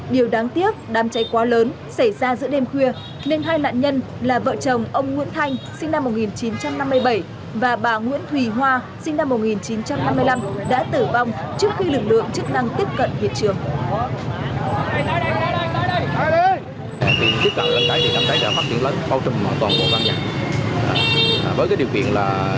điều đáng tiếc đám cháy quá lớn xảy ra giữa đêm khuya nên hai nạn nhân là vợ chồng ông nguyễn thanh sinh năm một nghìn chín trăm năm mươi bảy và bà nguyễn thùy hoa sinh năm một nghìn chín trăm năm mươi năm đã tử vong trước khi lực lượng chức năng tiếp cận hiện trường